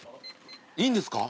いいんですか？